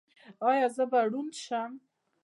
ایا زه به ړوند شم؟